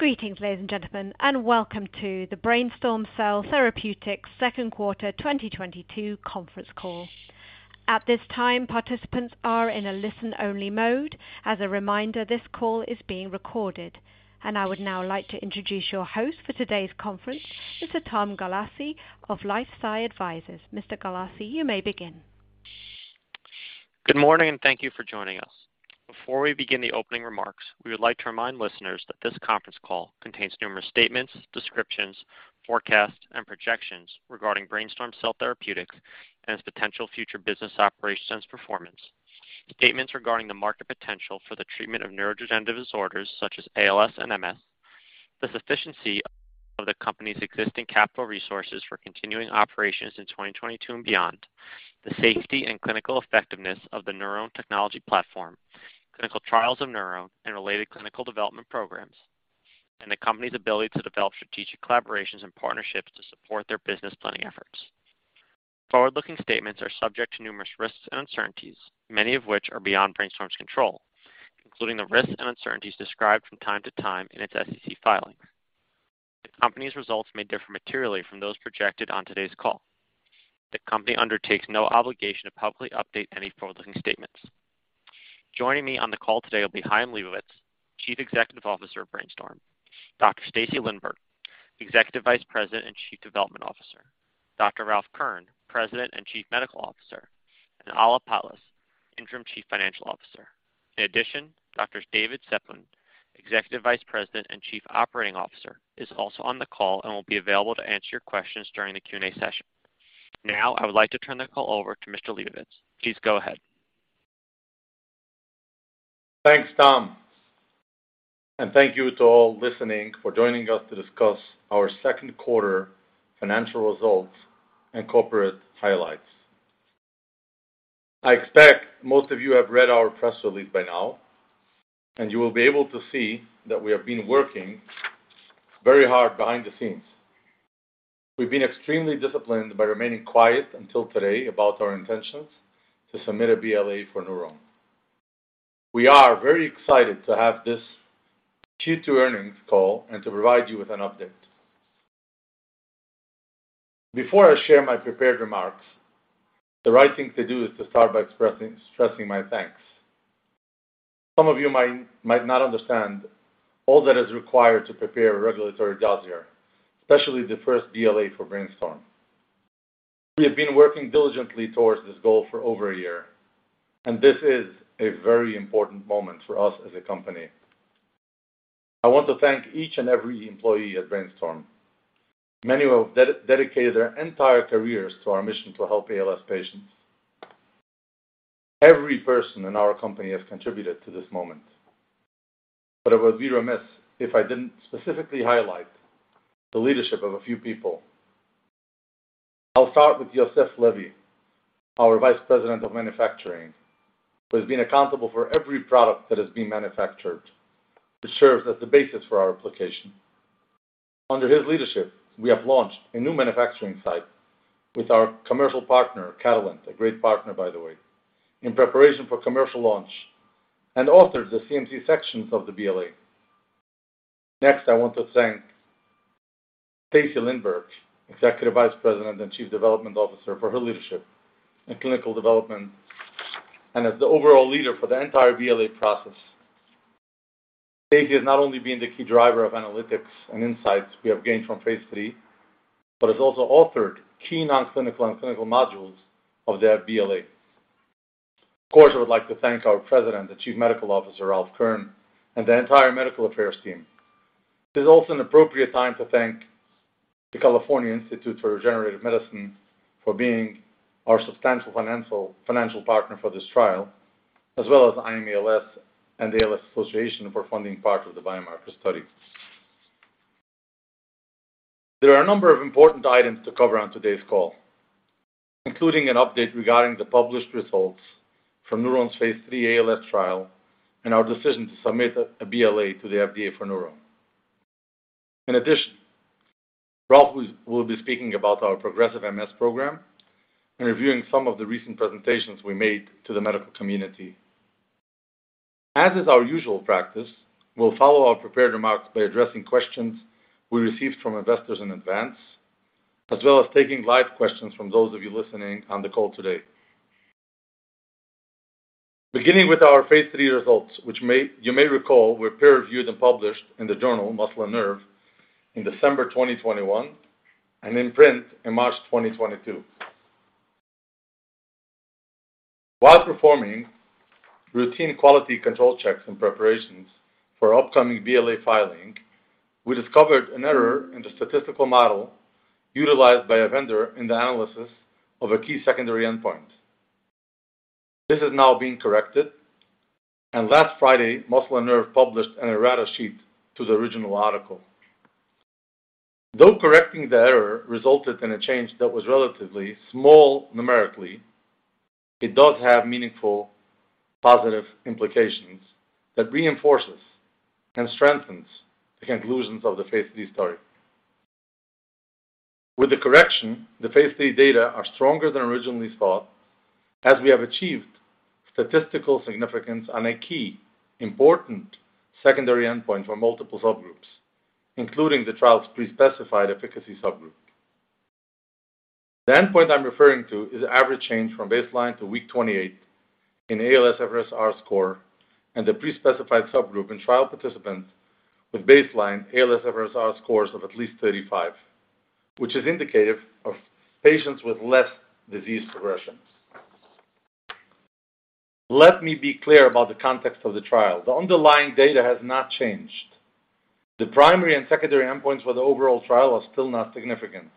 Greetings, ladies and gentlemen, and welcome to the Brainstorm Cell Therapeutics second quarter 2022 conference call. At this time, participants are in a listen-only mode. As a reminder, this call is being recorded. I would now like to introduce your host for today's conference, Mr. Tom Galassi of LifeSci Advisors. Mr. Galassi, you may begin. Good morning, and thank you for joining us. Before we begin the opening remarks, we would like to remind listeners that this conference call contains numerous statements, descriptions, forecasts, and projections regarding Brainstorm Cell Therapeutics and its potential future business operations performance. Statements regarding the market potential for the treatment of neurodegenerative disorders such as ALS and MS, the sufficiency of the company's existing capital resources for continuing operations in 2022 and beyond, the safety and clinical effectiveness of the NurOwn technology platform, clinical trials of NurOwn and related clinical development programs, and the company's ability to develop strategic collaborations and partnerships to support their business planning efforts. Forward-looking statements are subject to numerous risks and uncertainties, many of which are beyond Brainstorm's control, including the risks and uncertainties described from time to time in its SEC filings. The company's results may differ materially from those projected on today's call. The company undertakes no obligation to publicly update any forward-looking statements. Joining me on the call today will be Chaim Lebovits, Chief Executive Officer of Brainstorm, Dr. Stacy Lindborg, Executive Vice President and Chief Development Officer, Dr. Ralph Kern, President and Chief Medical Officer, and Alla Patlis, Interim Chief Financial Officer. In addition, Dr. David Setboun, Executive Vice President and Chief Operating Officer, is also on the call and will be available to answer your questions during the Q&A session. Now, I would like to turn the call over to Mr. Lebovits. Please go ahead. Thanks, Tom. Thank you to all listening for joining us to discuss our second quarter financial results and corporate highlights. I expect most of you have read our press release by now, and you will be able to see that we have been working very hard behind the scenes. We've been extremely disciplined by remaining quiet until today about our intentions to submit a BLA for NurOwn. We are very excited to have this Q2 earnings call and to provide you with an update. Before I share my prepared remarks, the right thing to do is to start by stressing my thanks. Some of you might not understand all that is required to prepare a regulatory dossier, especially the first BLA for Brainstorm. We have been working diligently towards this goal for over a year, and this is a very important moment for us as a company. I want to thank each and every employee at Brainstorm. Many have dedicated their entire careers to our mission to help ALS patients. Every person in our company has contributed to this moment. I would be remiss if I didn't specifically highlight the leadership of a few people. I'll start with Yossef Levy, our Vice President of Manufacturing, who has been accountable for every product that has been manufactured, which serves as the basis for our application. Under his leadership, we have launched a new manufacturing site with our commercial partner, Catalent, a great partner, by the way, in preparation for commercial launch and authored the CMC sections of the BLA. Next, I want to thank Stacy Lindborg, Executive Vice President and Chief Development Officer, for her leadership in clinical development and as the overall leader for the entire BLA process. Stacy has not only been the key driver of analytics and insights we have gained from phase III, but has also authored key non-clinical and clinical modules of the BLA. Of course, I would like to thank our President and Chief Medical Officer, Ralph Kern, and the entire medical affairs team. This is also an appropriate time to thank the California Institute for Regenerative Medicine for being our substantial financial partner for this trial, as well as I AM ALS and the ALS Association for funding part of the biomarker study. There are a number of important items to cover on today's call, including an update regarding the published results from NurOwn's phase III ALS trial and our decision to submit a BLA to the FDA for NurOwn. In addition, Ralph will be speaking about our progressive MS program and reviewing some of the recent presentations we made to the medical community. As is our usual practice, we'll follow our prepared remarks by addressing questions we received from investors in advance, as well as taking live questions from those of you listening on the call today. Beginning with our phase III results, which you may recall were peer-reviewed and published in the journal Muscle & Nerve in December 2021 and in print in March 2022. While performing routine quality control checks and preparations for upcoming BLA filing, we discovered an error in the statistical model utilized by a vendor in the analysis of a key secondary endpoint. This is now being corrected, and last Friday, Muscle & Nerve published an errata sheet to the original article. Though correcting the error resulted in a change that was relatively small numerically, it does have meaningful positive implications that reinforces and strengthens the conclusions of the Phase III study. With the correction, the Phase III data are stronger than originally thought, as we have achieved statistical significance on a key important secondary endpoint for multiple subgroups, including the trial's pre-specified efficacy subgroup. The endpoint I'm referring to is the average change from baseline to week 28 in ALSFRS-R score and the pre-specified subgroup in trial participants with baseline ALSFRS-R scores of at least 35, which is indicative of patients with less disease progression. Let me be clear about the context of the trial. The underlying data has not changed. The primary and secondary endpoints for the overall trial are still not significant,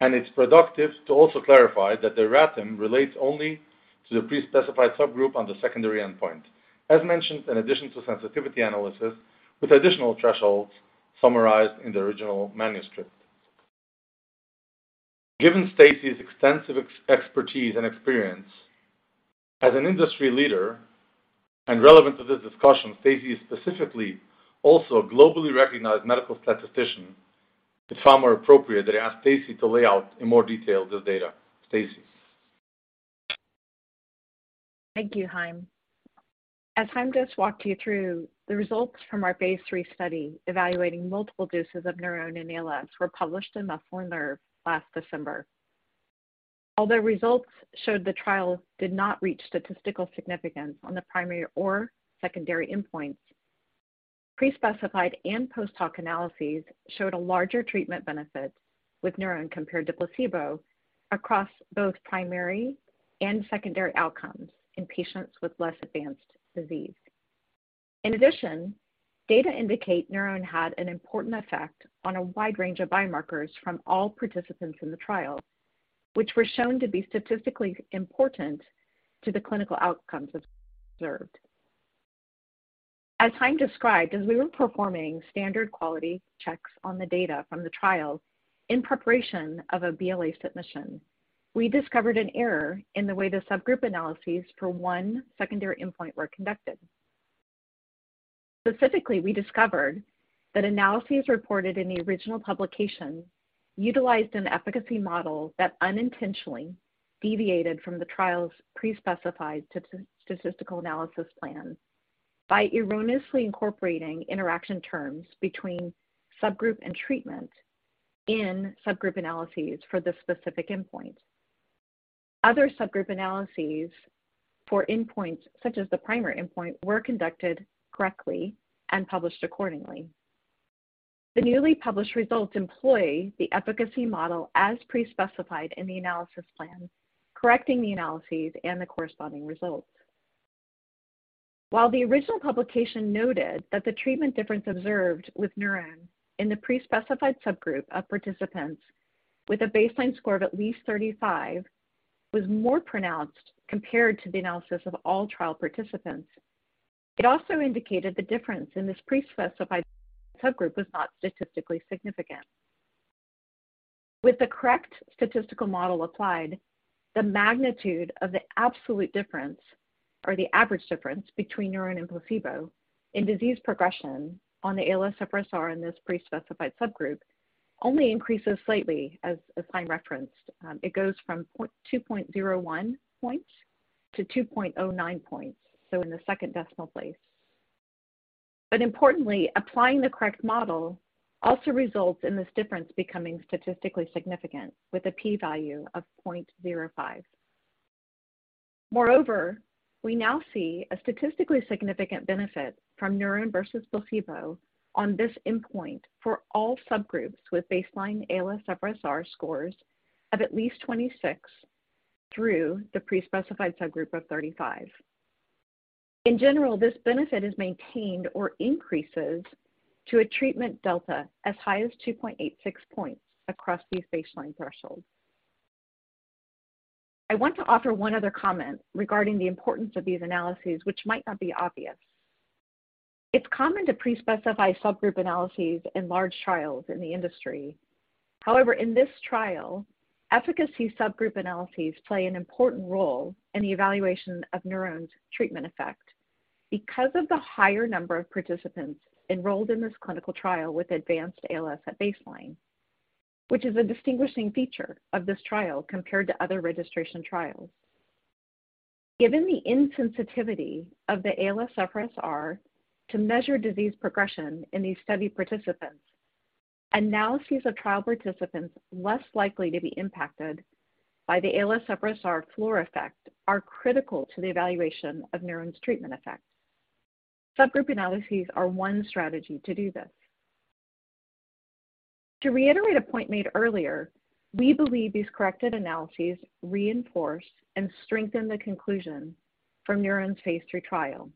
and it's productive to also clarify that the rate relates only to the pre-specified subgroup on the secondary endpoint. As mentioned, in addition to sensitivity analysis with additional thresholds summarized in the original manuscript. Given Stacy's extensive expertise and experience as an industry leader, and relevant to this discussion, Stacy is specifically also a globally recognized medical statistician, it's far more appropriate that I ask Stacy to lay out in more detail this data. Stacy. Thank you, Chaim. As Chaim just walked you through, the results from our phase III study evaluating multiple doses of NurOwn in ALS were published in Muscle & Nerve last December. Although results showed the trial did not reach statistical significance on the primary or secondary endpoints, pre-specified and post-hoc analyses showed a larger treatment benefit with NurOwn compared to placebo across both primary and secondary outcomes in patients with less advanced disease. In addition, data indicate NurOwn had an important effect on a wide range of biomarkers from all participants in the trial, which were shown to be statistically important to the clinical outcomes observed. As Chaim described, as we were performing standard quality checks on the data from the trial in preparation of a BLA submission, we discovered an error in the way the subgroup analyses for one secondary endpoint were conducted. Specifically, we discovered that analyses reported in the original publication utilized an efficacy model that unintentionally deviated from the trial's pre-specified statistical analysis plan by erroneously incorporating interaction terms between subgroup and treatment in subgroup analyses for this specific endpoint. Other subgroup analyses for endpoints, such as the primary endpoint, were conducted correctly and published accordingly. The newly published results employ the efficacy model as pre-specified in the analysis plan, correcting the analyses and the corresponding results. While the original publication noted that the treatment difference observed with NurOwn in the pre-specified subgroup of participants with a baseline score of at least 35 was more pronounced compared to the analysis of all trial participants, it also indicated the difference in this pre-specified subgroup was not statistically significant. With the correct statistical model applied, the magnitude of the absolute difference or the average difference between NurOwn and placebo in disease progression on the ALSFRS-R in this pre-specified subgroup only increases slightly, as Chaim referenced. It goes from 2.01 points to 2.09 points, so in the second decimal place. Importantly, applying the correct model also results in this difference becoming statistically significant with a p-value of 0.05. Moreover, we now see a statistically significant benefit from NurOwn versus placebo on this endpoint for all subgroups with baseline ALSFRS-R scores of at least 26 through the pre-specified subgroup of 35. In general, this benefit is maintained or increases to a treatment delta as high as 2.86 points across these baseline thresholds. I want to offer one other comment regarding the importance of these analyses, which might not be obvious. It's common to pre-specify subgroup analyses in large trials in the industry. However, in this trial, efficacy subgroup analyses play an important role in the evaluation of NurOwn's treatment effect because of the higher number of participants enrolled in this clinical trial with advanced ALS at baseline, which is a distinguishing feature of this trial compared to other registration trials. Given the insensitivity of the ALSFRS-R to measure disease progression in these study participants, analyses of trial participants less likely to be impacted by the ALSFRS-R floor effect are critical to the evaluation of NurOwn's treatment effect. Subgroup analyses are one strategy to do this. To reiterate a point made earlier, we believe these corrected analyses reinforce and strengthen the conclusion from NurOwn's phase III trial.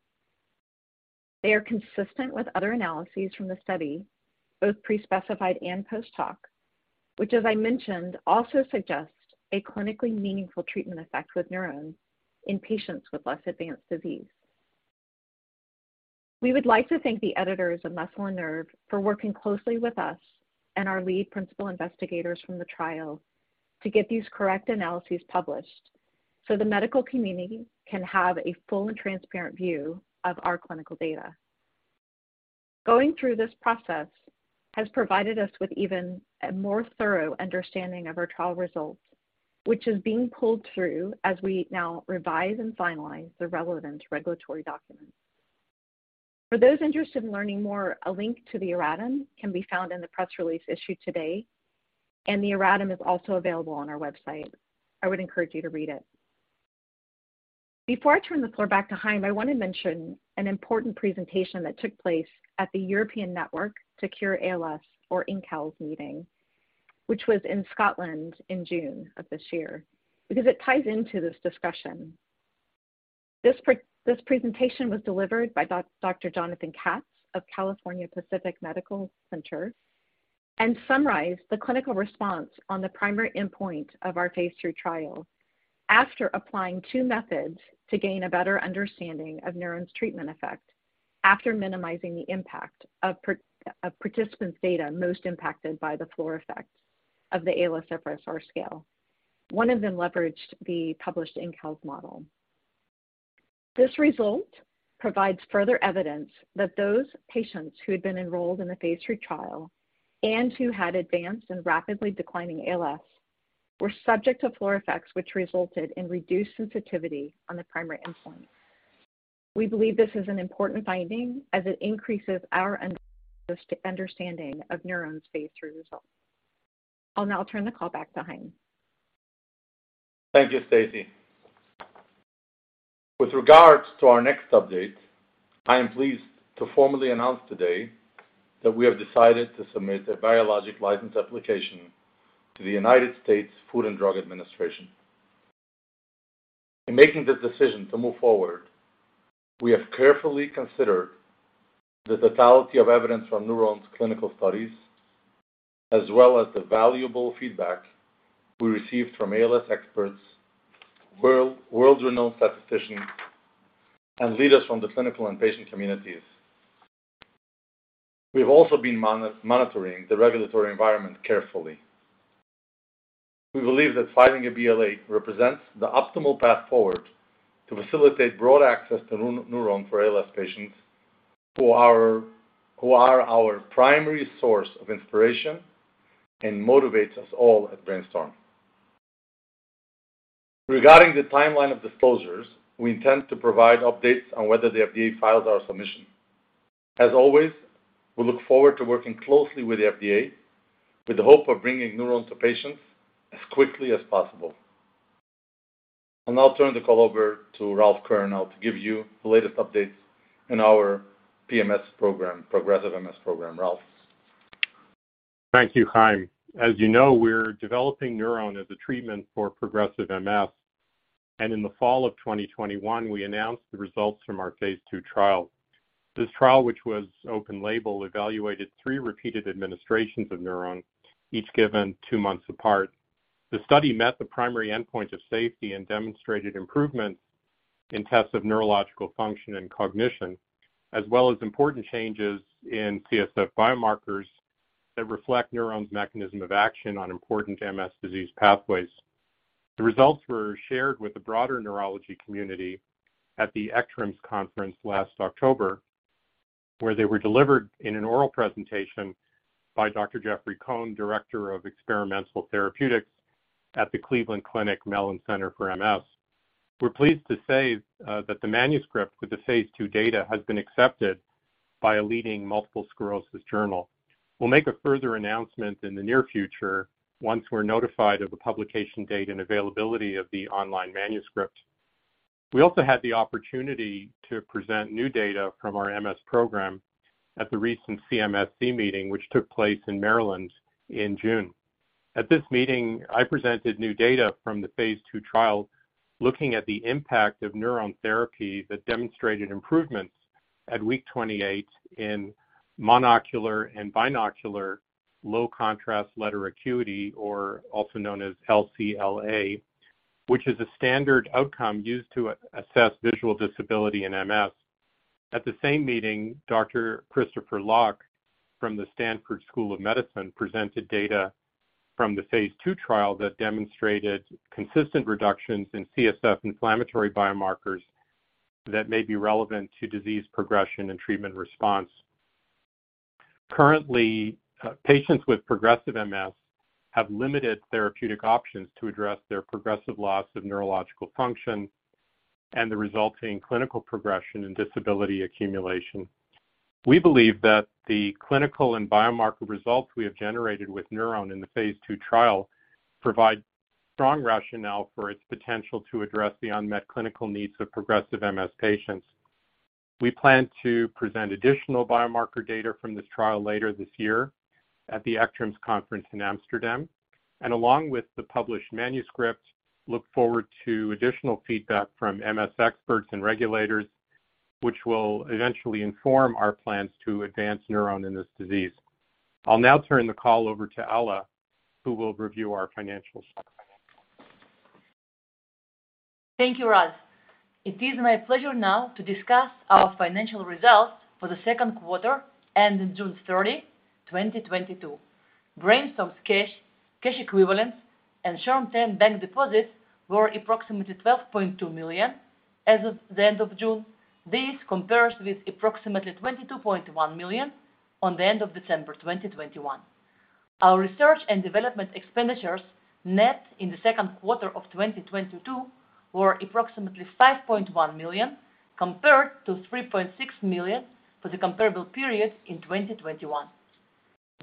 They are consistent with other analyses from the study, both pre-specified and post-hoc, which as I mentioned, also suggests a clinically meaningful treatment effect with NurOwn in patients with less advanced disease. We would like to thank the editors of Muscle & Nerve for working closely with us and our lead principal investigators from the trial to get these correct analyses published so the medical community can have a full and transparent view of our clinical data. Going through this process has provided us with even a more thorough understanding of our trial results, which is being pulled through as we now revise and finalize the relevant regulatory documents. For those interested in learning more, a link to the erratum can be found in the press release issued today, and the erratum is also available on our website. I would encourage you to read it. Before I turn the floor back to Chaim, I want to mention an important presentation that took place at the European Network to Cure ALS, or ENCALS meeting, which was in Scotland in June of this year, because it ties into this discussion. This presentation was delivered by Dr. Jonathan Katz of California Pacific Medical Center and summarized the clinical response on the primary endpoint of our phase III trial after applying two methods to gain a better understanding of NurOwn's treatment effect after minimizing the impact of part of participants' data most impacted by the floor effects of the ALSFRS-R scale. One of them leveraged the published ENCALS model. This result provides further evidence that those patients who had been enrolled in the phase III trial and who had advanced and rapidly declining ALS were subject to floor effects, which resulted in reduced sensitivity on the primary endpoint. We believe this is an important finding as it increases our understanding of NurOwn's phase III results. I'll now turn the call back to Chaim. Thank you, Stacy. With regards to our next update, I am pleased to formally announce today that we have decided to submit a Biologics License Application to the United States Food and Drug Administration. In making the decision to move forward, we have carefully considered the totality of evidence from NurOwn's clinical studies as well as the valuable feedback we received from ALS experts, world-renowned statisticians, and leaders from the clinical and patient communities. We have also been monitoring the regulatory environment carefully. We believe that filing a BLA represents the optimal path forward to facilitate broad access to NurOwn for ALS patients who are our primary source of inspiration and motivates us all at Brainstorm. Regarding the timeline of disclosures, we intend to provide updates on whether the FDA filed our submission. As always, we look forward to working closely with the FDA with the hope of bringing NurOwn to patients as quickly as possible. I'll now turn the call over to Ralph Kern to give you the latest updates in our PMS program, progressive MS program. Ralph. Thank you, Chaim. As you know, we're developing NurOwn as a treatment for progressive MS. In the fall of 2021, we announced the results from our phase II trial. This trial, which was open label, evaluated three repeated administrations of NurOwn, each given two months apart. The study met the primary endpoint of safety and demonstrated improvement in tests of neurological function and cognition, as well as important changes in CSF biomarkers that reflect NurOwn's mechanism of action on important MS disease pathways. The results were shared with the broader neurology community at the ECTRIMS conference last October, where they were delivered in an oral presentation by Dr. Jeffrey Cohen, Director of Experimental Therapeutics at the Cleveland Clinic Mellen Center for MS. We're pleased to say that the manuscript with the phase II data has been accepted by a leading multiple sclerosis journal. We'll make a further announcement in the near future once we're notified of the publication date and availability of the online manuscript. We also had the opportunity to present new data from our MS program at the recent CMSC meeting, which took place in Maryland in June. At this meeting, I presented new data from the phase II trial looking at the impact of NurOwn therapy that demonstrated improvements at week 28 in monocular and binocular low contrast letter acuity, or also known as LCLA, which is a standard outcome used to assess visual disability in MS. At the same meeting, Dr. Christopher Lock from the Stanford School of Medicine presented data from the phase II trial that demonstrated consistent reductions in CSF inflammatory biomarkers that may be relevant to disease progression and treatment response. Currently, patients with progressive MS have limited therapeutic options to address their progressive loss of neurological function and the resulting clinical progression and disability accumulation. We believe that the clinical and biomarker results we have generated with NurOwn in the phase II trial provide strong rationale for its potential to address the unmet clinical needs of progressive MS patients. We plan to present additional biomarker data from this trial later this year at the ECTRIMS conference in Amsterdam, and along with the published manuscript, look forward to additional feedback from MS experts and regulators, which will eventually inform our plans to advance NurOwn in this disease. I'll now turn the call over to Alla, who will review our financials. Thank you, Ralph. It is my pleasure now to discuss our financial results for the second quarter ending June 30, 2022. BrainStorm's cash equivalents, and short-term bank deposits were approximately $12.2 million as of the end of June. This compares with approximately $22.1 million at the end of December 2021. Our research and development expenditures, net, in the second quarter of 2022 were approximately $5.1 million compared to $3.6 million for the comparable period in 2021.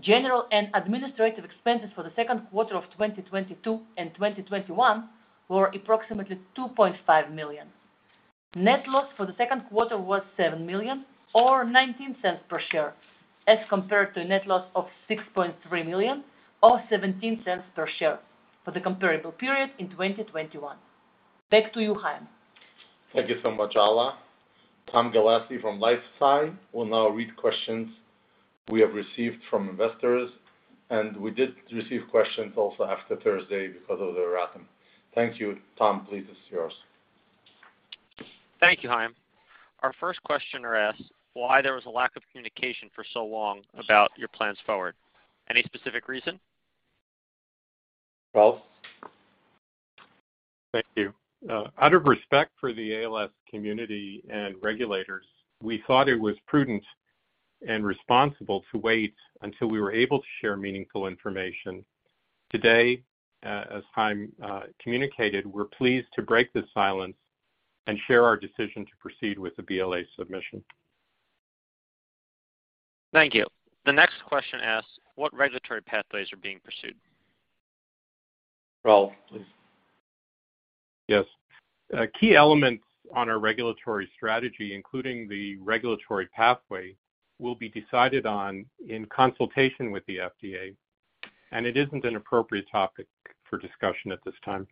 General and administrative expenses for the second quarter of 2022 and 2021 were approximately $2.5 million. Net loss for the second quarter was $7 million or $0.19 per share, as compared to a net loss of $6.3 million or $0.17 per share for the comparable period in 2021. Back to you, Chaim. Thank you so much, Alla. Tom Galassi from LifeSci Advisors will now read questions we have received from investors, and we did receive questions also after Thursday because of the ATM. Thank you. Tom, please, it's yours. Thank you, Chaim. Our first questioner asks why there was a lack of communication for so long about your plans forward. Any specific reason? Ralph? Thank you. Out of respect for the ALS community and regulators, we thought it was prudent and responsible to wait until we were able to share meaningful information. Today, as Chaim communicated, we're pleased to break the silence and share our decision to proceed with the BLA submission. Thank you. The next question asks what regulatory pathways are being pursued. Ralph, please. Yes. Key elements on our regulatory strategy, including the regulatory pathway, will be decided on in consultation with the FDA, and it isn't an appropriate topic for discussion at this time.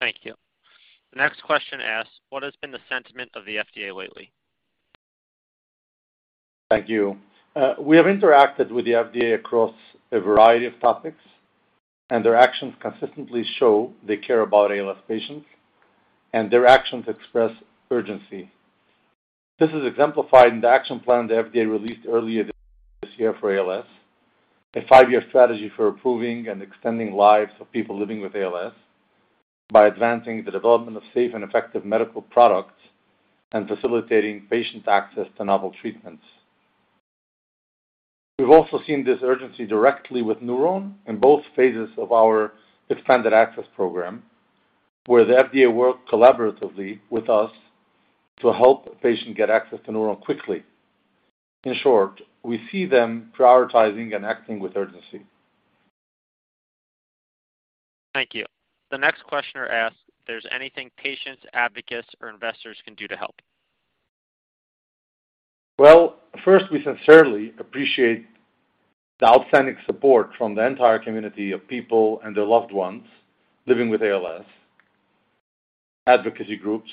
Thank you. The next question asks, what has been the sentiment of the FDA lately? Thank you. We have interacted with the FDA across a variety of topics, and their actions consistently show they care about ALS patients, and their actions express urgency. This is exemplified in the action plan the FDA released earlier this year for ALS, a five-year strategy for improving and extending lives of people living with ALS by advancing the development of safe and effective medical products and facilitating patient access to novel treatments. We've also seen this urgency directly with NurOwn in both phases of our expanded access program, where the FDA worked collaboratively with us to help patients get access to NurOwn quickly. In short, we see them prioritizing and acting with urgency. Thank you. The next questioner asks if there's anything patients, advocates, or investors can do to help. Well, first, we sincerely appreciate the outstanding support from the entire community of people and their loved ones living with ALS, advocacy groups,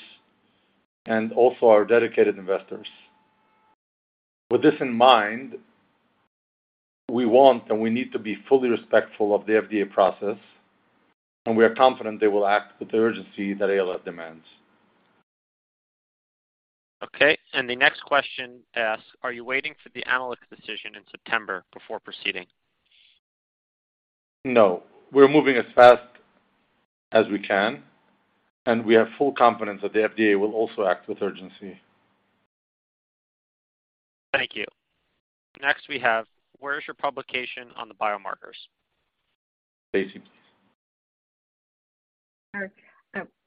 and also our dedicated investors. With this in mind, we want and we need to be fully respectful of the FDA process, and we are confident they will act with the urgency that ALS demands. Okay. The next question asks, are you waiting for the Amylyx decision in September before proceeding? No, we're moving as fast as we can, and we have full confidence that the FDA will also act with urgency. Thank you. Next, we have, where is your publication on the biomarkers? Stacy, please. All right.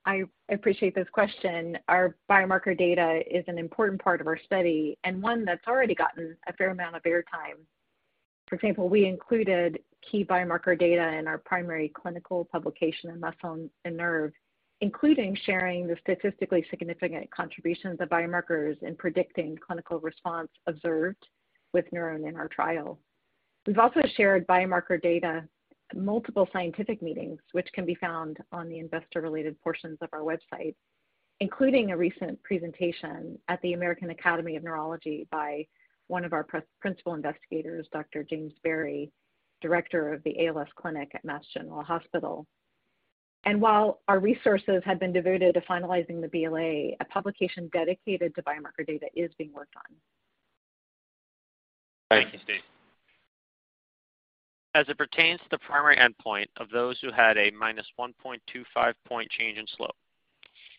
I appreciate this question. Our biomarker data is an important part of our study and one that's already gotten a fair amount of airtime. For example, we included key biomarker data in our primary clinical publication in Muscle & Nerve, including sharing the statistically significant contributions of biomarkers in predicting clinical response observed with NurOwn in our trial. We've also shared biomarker data at multiple scientific meetings, which can be found on the investor-related portions of our website, including a recent presentation at the American Academy of Neurology by one of our principal investigators, Dr. James Berry, director of the ALS clinic at Massachusetts General Hospital. While our resources have been diverted to finalizing the BLA, a publication dedicated to biomarker data is being worked on. Thank you, Stacy. As it pertains to the primary endpoint of those who had a -1.25-point change in slope,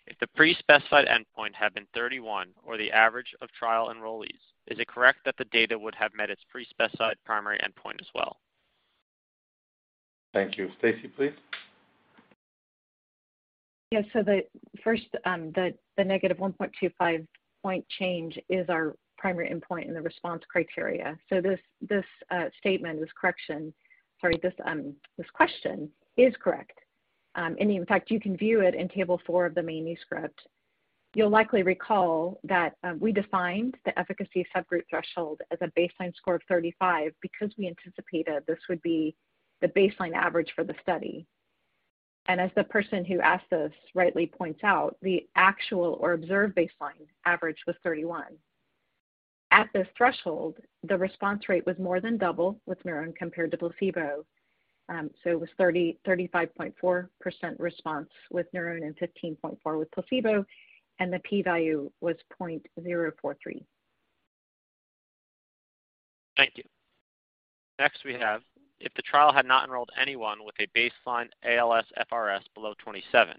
if the pre-specified endpoint had been 31 or the average of trial enrollees, is it correct that the data would have met its pre-specified primary endpoint as well? Thank you. Stacy, please. The first, the negative 1.25-point change is our primary endpoint in the response criteria. This question is correct. In fact, you can view it in Table 4 of the manuscript. You'll likely recall that we defined the efficacy subgroup threshold as a baseline score of 35 because we anticipated this would be the baseline average for the study. The person who asked this rightly points out, the actual or observed baseline average was 31. At this threshold, the response rate was more than double with NurOwn compared to placebo. It was 35.4% response with NurOwn and 15.4% with placebo, and the p-value was 0.043. Thank you. Next we have, if the trial had not enrolled anyone with a baseline ALSFRS-R below 27,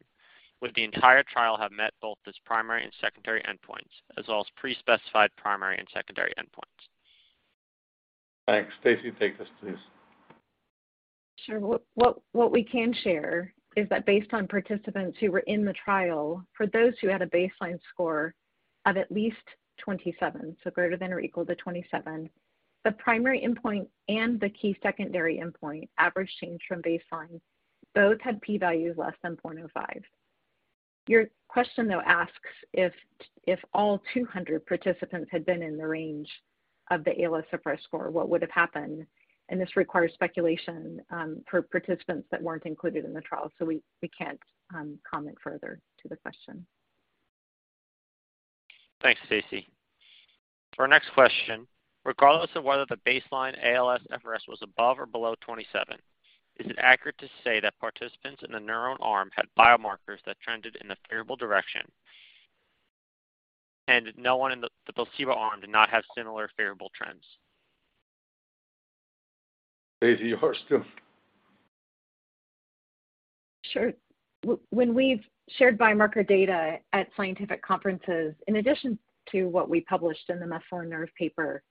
would the entire trial have met both this primary and secondary endpoints as well as pre-specified primary and secondary endpoints? Thanks. Stacy, take this please. Sure. What we can share is that based on participants who were in the trial, for those who had a baseline score of at least 27, so greater than or equal to 27, the primary endpoint and the key secondary endpoint average change from baseline both had p-values less than 0.05. Your question though asks if all 200 participants had been in the range of the ALSFRS-R score, what would have happened? This requires speculation for participants that weren't included in the trial, so we can't comment further to the question. Thanks, Stacy. For our next question, regardless of whether the baseline ALS FRS was above or below 27, is it accurate to say that participants in the NurOwn arm had biomarkers that trended in a favorable direction and no one in the placebo arm did not have similar favorable trends? Stacy, yours too. Sure. When we've shared biomarker data at scientific conferences, in addition to what we published in the Muscle & Nerve paper,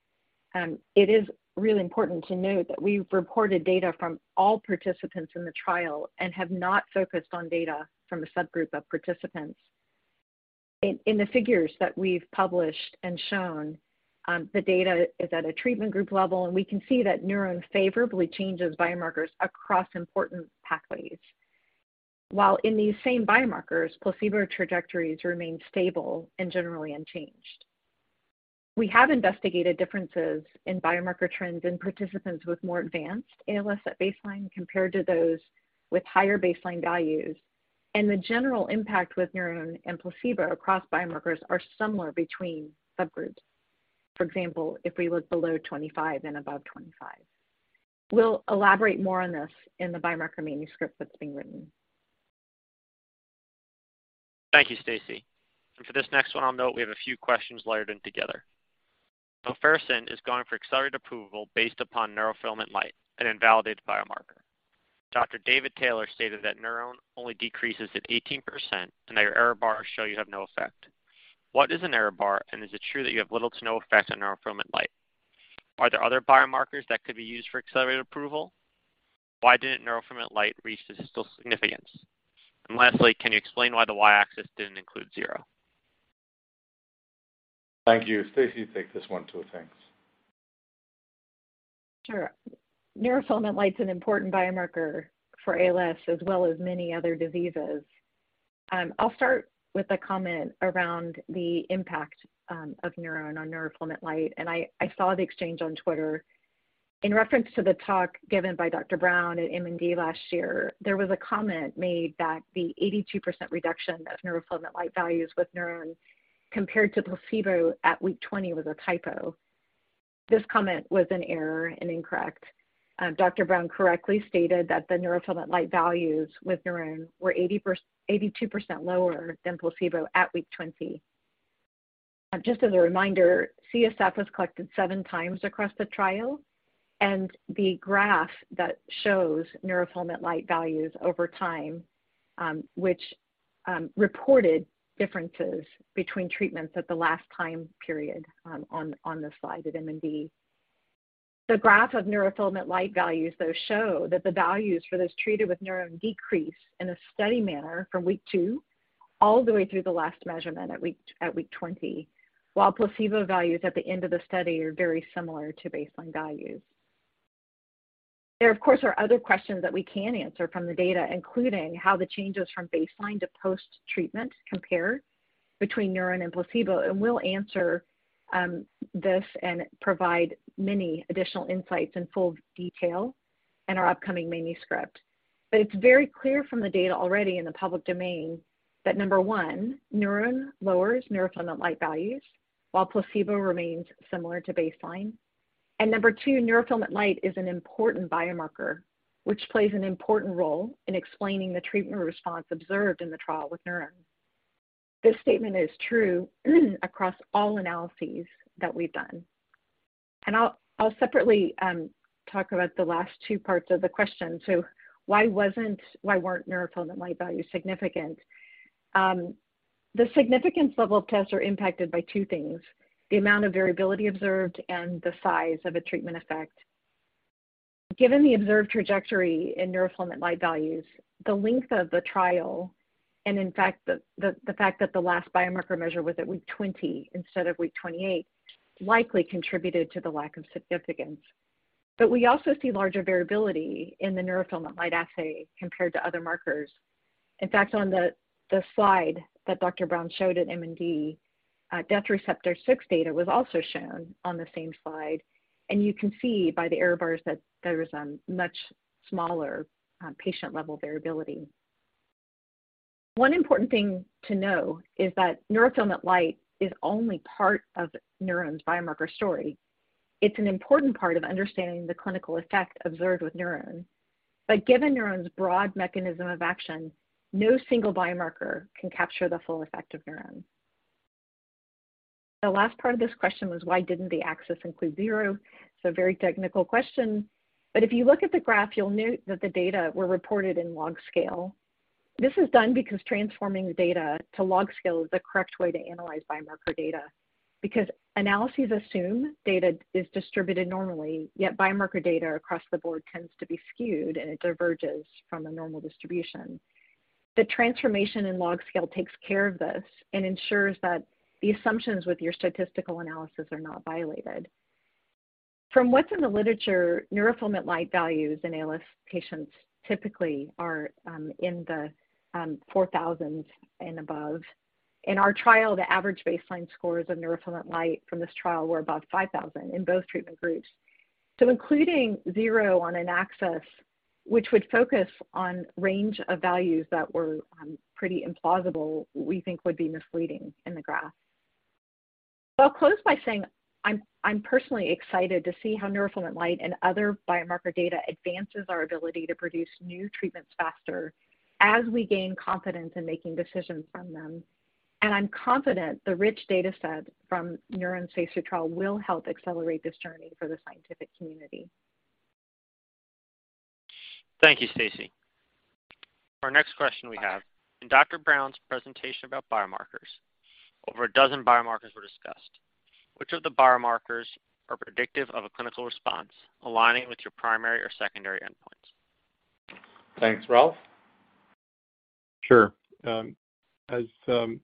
it is really important to note that we've reported data from all participants in the trial and have not focused on data from a subgroup of participants. In the figures that we've published and shown, the data is at a treatment group level, and we can see that NurOwn favorably changes biomarkers across important pathways. While in these same biomarkers, placebo trajectories remain stable and generally unchanged. We have investigated differences in biomarker trends in participants with more advanced ALS at baseline compared to those with higher baseline values, and the general impact with NurOwn and placebo across biomarkers are similar between subgroups. For example, if we look below 25 and above 25. We'll elaborate more on this in the biomarker manuscript that's being written. Thank you, Stacy. For this next one I'll note we have a few questions layered in together. Tofersen is going for accelerated approval based upon neurofilament light, an invalidated biomarker. Dr. Kuldip Dave stated that NfL only decreases at 18% and that your error bars show you have no effect. What is an error bar, and is it true that you have little to no effect on neurofilament light? Are there other biomarkers that could be used for accelerated approval? Why didn't neurofilament light reach statistical significance? And lastly, can you explain why the y-axis didn't include zero? Thank you. Stacy, take this one too. Thanks. Sure. Neurofilament light's an important biomarker for ALS as well as many other diseases. I'll start with a comment around the impact of NurOwn on neurofilament light, and I saw the exchange on Twitter. In reference to the talk given by Dr. Brown at MND last year, there was a comment made that the 82% reduction of neurofilament light values with NurOwn compared to placebo at week 20 was a typo. This comment was an error and incorrect. Dr. Brown correctly stated that the neurofilament light values with NurOwn were 82% lower than placebo at week 20. Just as a reminder, CSF was collected 7 times across the trial, and the graph that shows neurofilament light values over time, which reported differences between treatments at the last time period, on the slide at MND. The graph of neurofilament light values though show that the values for those treated with NurOwn decrease in a steady manner from week two all the way through the last measurement at week 20, while placebo values at the end of the study are very similar to baseline values. There, of course, are other questions that we can answer from the data, including how the changes from baseline to post-treatment compare between NurOwn and placebo, and we'll answer this and provide many additional insights in full detail in our upcoming manuscript. It's very clear from the data already in the public domain that number one, NurOwn lowers neurofilament light values while placebo remains similar to baseline. Number two, neurofilament light is an important biomarker, which plays an important role in explaining the treatment response observed in the trial with NurOwn. This statement is true across all analyses that we've done. I'll separately talk about the last two parts of the question. Why weren't Neurofilament light values significant? The significance level of tests are impacted by two things, the amount of variability observed and the size of a treatment effect. Given the observed trajectory in Neurofilament light values, the length of the trial, and in fact, the fact that the last biomarker measure was at week 20 instead of week 28 likely contributed to the lack of significance. We also see larger variability in the Neurofilament light assay compared to other markers. In fact, on the slide that Dr. Brown showed at MND, Death Receptor 6 data was also shown on the same slide, and you can see by the error bars that there is a much smaller, patient-level variability. One important thing to know is that neurofilament light is only part of NurOwn's biomarker story. It's an important part of understanding the clinical effect observed with NurOwn. Given NurOwn's broad mechanism of action, no single biomarker can capture the full effect of NurOwn. The last part of this question was why didn't the axis include zero? It's a very technical question, but if you look at the graph, you'll note that the data were reported in log scale. This is done because transforming data to log scale is the correct way to analyze biomarker data. Because analyses assume data is distributed normally, yet biomarker data across the board tends to be skewed, and it diverges from a normal distribution. The transformation in log scale takes care of this and ensures that the assumptions with your statistical analysis are not violated. From what's in the literature, Neurofilament light values in ALS patients typically are in the 4,000s and above. In our trial, the average baseline scores of Neurofilament light from this trial were above 5,000 in both treatment groups. Including zero on an axis which would focus on range of values that were pretty implausible, we think would be misleading in the graph. I'll close by saying I'm personally excited to see how Neurofilament light and other biomarker data advances our ability to produce new treatments faster as we gain confidence in making decisions from them. I'm confident the rich data set from NurOwn's phase II trial will help accelerate this journey for the scientific community. Thank you, Stacy. Our next question we have, in Dr. Brown's presentation about biomarkers, over a dozen biomarkers were discussed. Which of the biomarkers are predictive of a clinical response aligning with your primary or secondary endpoints? Thanks. Ralph? Sure. As to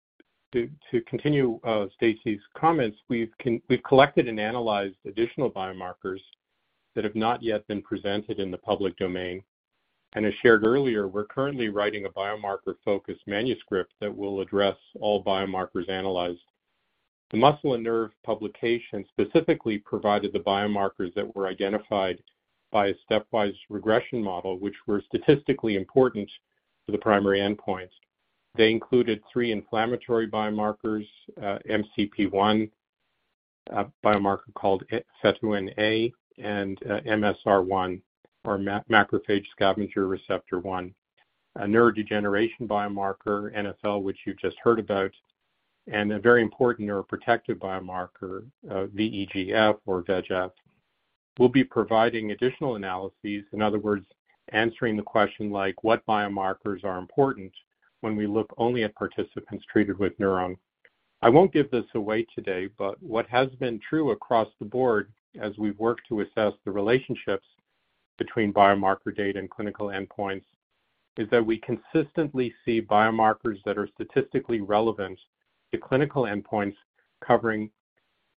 continue Stacy's comments, we've collected and analyzed additional biomarkers that have not yet been presented in the public domain. As shared earlier, we're currently writing a biomarker focus manuscript that will address all biomarkers analyzed. The Muscle and Nerve publication specifically provided the biomarkers that were identified by a stepwise regression model, which were statistically important for the primary endpoints. They included three inflammatory biomarkers, MCP-1, a biomarker called fetuin-A, and MSR-1, or Macrophage Scavenger Receptor 1. A neurodegeneration biomarker, NFL, which you just heard about, and a very important neuroprotective biomarker, VEGF. We'll be providing additional analyses, in other words, answering the question like what biomarkers are important when we look only at participants treated with NurOwn? I won't give this away today, but what has been true across the board as we've worked to assess the relationships between biomarker data and clinical endpoints is that we consistently see biomarkers that are statistically relevant to clinical endpoints covering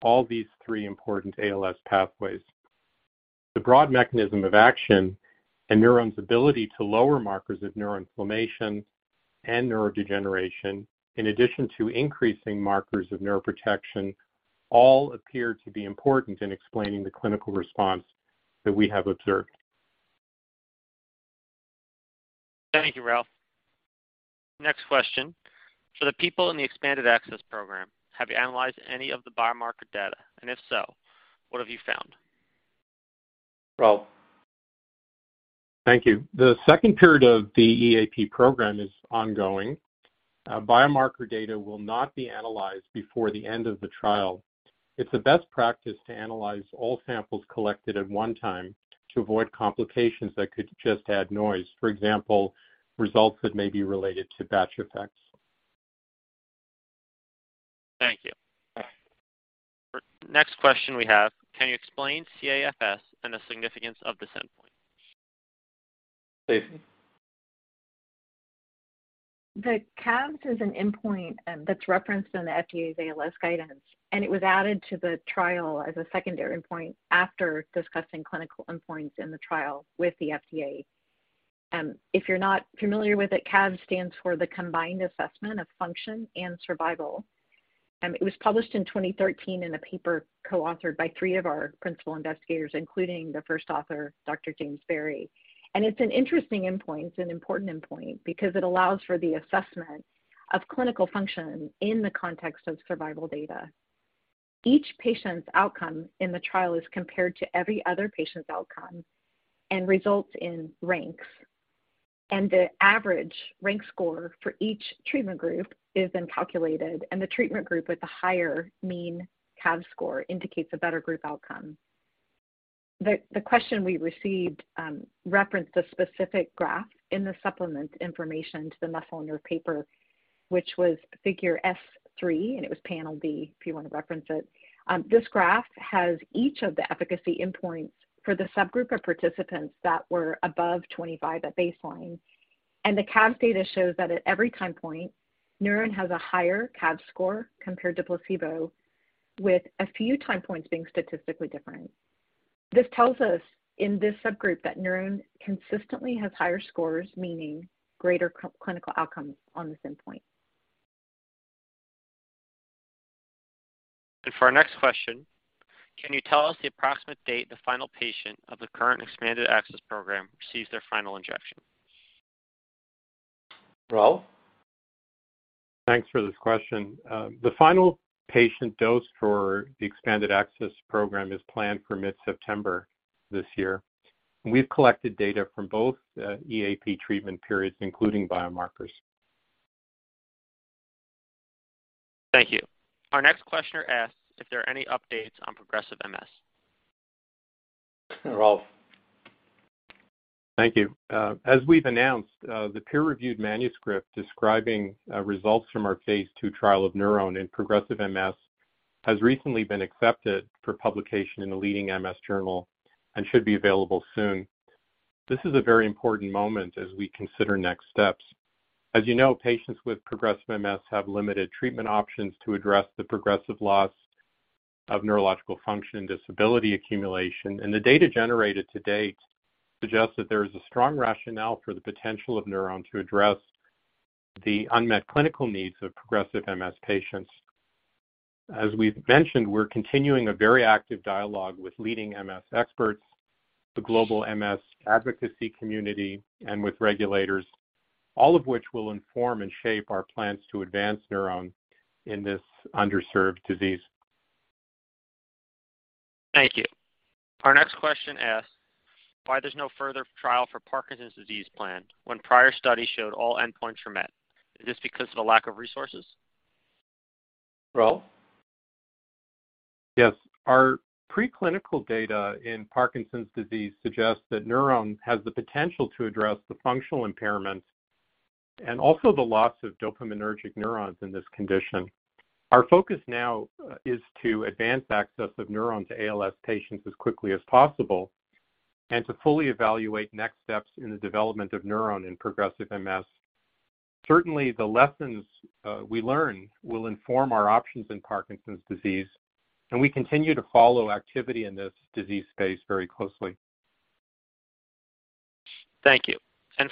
all these three important ALS pathways. The broad mechanism of action and NurOwn's ability to lower markers of neuroinflammation and neurodegeneration, in addition to increasing markers of neuroprotection, all appear to be important in explaining the clinical response that we have observed. Thank you, Ralph. Next question. For the people in the expanded access program, have you analyzed any of the biomarker data? If so, what have you found? Ralph. Thank you. The second period of the EAP program is ongoing. Biomarker data will not be analyzed before the end of the trial. It's a best practice to analyze all samples collected at one time to avoid complications that could just add noise. For example, results that may be related to batch effects. Thank you. Next question we have, can you explain CAFS and the significance of this endpoint? Stacy. The CAFS is an endpoint, that's referenced in the FDA's ALS guidance, and it was added to the trial as a secondary endpoint after discussing clinical endpoints in the trial with the FDA. If you're not familiar with it, CAFS stands for the Combined Assessment of Function and Survival. It was published in 2013 in a paper coauthored by three of our principal investigators, including the first author, Dr. James Berry. It's an interesting endpoint. It's an important endpoint because it allows for the assessment of clinical function in the context of survival data. Each patient's outcome in the trial is compared to every other patient's outcome and results in ranks. The average rank score for each treatment group is then calculated, and the treatment group with the higher mean CAFS score indicates a better group outcome. The question we received referenced a specific graph in the supplement information to the Muscle & Nerve paper, which was Figure S3, and it was Panel D, if you want to reference it. This graph has each of the efficacy endpoints for the subgroup of participants that were above 25 at baseline. The CAFS data shows that at every time point, NurOwn has a higher CAFS score compared to placebo, with a few time points being statistically different. This tells us in this subgroup that NurOwn consistently has higher scores, meaning greater clinical outcomes on this endpoint. For our next question, can you tell us the approximate date the final patient of the current expanded access program receives their final injection? Ralph? Thanks for this question. The final patient dose for the expanded access program is planned for mid-September this year. We've collected data from both EAP treatment periods, including biomarkers. Thank you. Our next questioner asks if there are any updates on progressive MS. Ralph. Thank you. As we've announced, the peer-reviewed manuscript describing results from our phase II trial of NurOwn in progressive MS has recently been accepted for publication in a leading MS journal and should be available soon. This is a very important moment as we consider next steps. As you know, patients with progressive MS have limited treatment options to address the progressive loss of neurological function and disability accumulation, and the data generated to date suggests that there is a strong rationale for the potential of NurOwn to address the unmet clinical needs of progressive MS patients. As we've mentioned, we're continuing a very active dialogue with leading MS experts, the global MS advocacy community, and with regulators, all of which will inform and shape our plans to advance NurOwn in this underserved disease. Thank you. Our next question asks why there's no further trial for Parkinson's disease plan when prior studies showed all endpoints were met. Is this because of the lack of resources? Ralph. Yes. Our preclinical data in Parkinson's disease suggests that NurOwn has the potential to address the functional impairments and also the loss of dopaminergic neurons in this condition. Our focus now is to advance access of NurOwn to ALS patients as quickly as possible and to fully evaluate next steps in the development of NurOwn in progressive MS. Certainly, the lessons we learn will inform our options in Parkinson's disease, and we continue to follow activity in this disease space very closely. Thank you.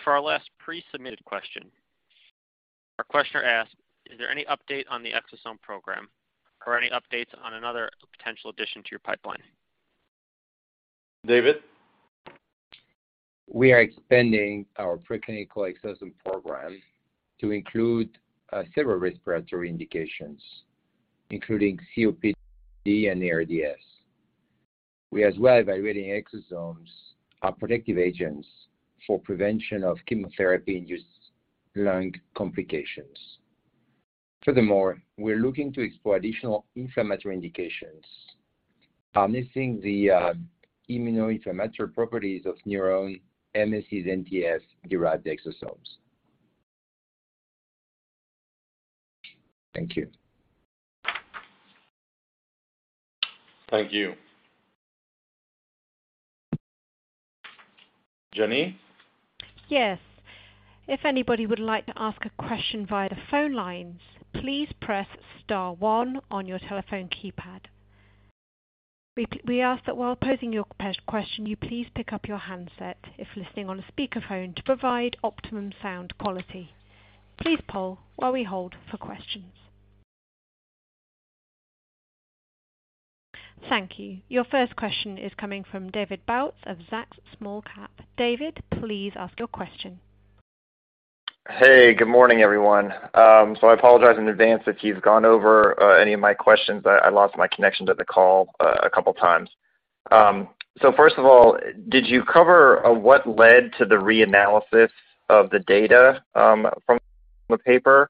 For our last pre-submitted question, our questioner asks, "Is there any update on the exosome program or any updates on another potential addition to your pipeline? David? We are expanding our preclinical exosome program to include several respiratory indications, including COPD and ARDS. We're as well evaluating exosomes as protective agents for prevention of chemotherapy-induced lung complications. Furthermore, we're looking to explore additional inflammatory indications, harnessing the immunomodulatory and anti-inflammatory properties of NurOwn MSCs, NTF-derived exosomes. Thank you. Thank you. Jenny? Yes. If anybody would like to ask a question via the phone lines, please press star one on your telephone keypad. We ask that while posing your question, you please pick up your handset if listening on a speakerphone to provide optimum sound quality. Please pause while we hold for questions. Thank you. Your first question is coming from David Bautz of Zacks Small Cap Research. David, please ask your question. Hey, good morning, everyone. I apologize in advance if you've gone over any of my questions. I lost my connection to the call a couple times. First of all, did you cover what led to the reanalysis of the data from the paper?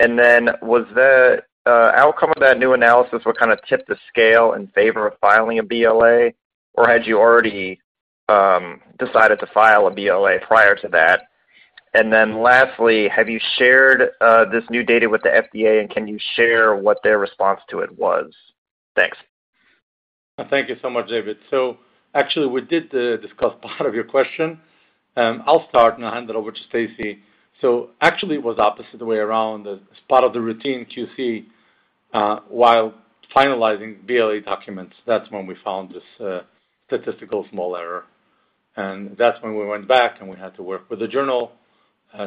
And then was the outcome of that new analysis what kinda tipped the scale in favor of filing a BLA, or had you already decided to file a BLA prior to that? And then lastly, have you shared this new data with the FDA, and can you share what their response to it was? Thanks. Thank you so much, David. Actually we did discuss part of your question. I'll start and I'll hand it over to Stacy. Actually it was opposite way around. As part of the routine QC, while finalizing BLA documents, that's when we found this statistical small error. That's when we went back, and we had to work with the journal